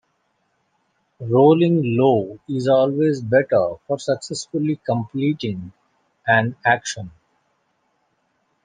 Rolling low is always better for successfully completing an action.